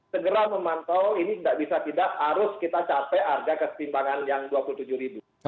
segera memantau ini tidak bisa tidak harus kita capai harga kesetimbangan yang rp dua puluh tujuh ribu